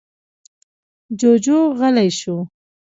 جُوجُو غلی شو.